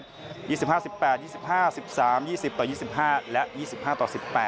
๒๕๑๘๒๕๑๓๒๐ต่อ๒๕และ๒๕ต่อ๑๘